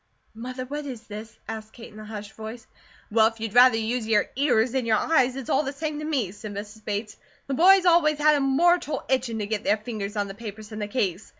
"Mother, what is this?" asked Kate in a hushed voice. "Well, if you'd rather use your ears than your eyes, it's all the same to me," said Mrs. Bates. "The boys always had a mortal itchin' to get their fingers on the papers in the case.